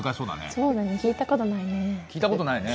そうだよね聞いたことない。